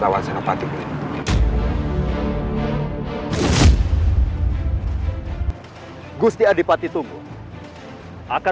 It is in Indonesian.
kau akan sama henungku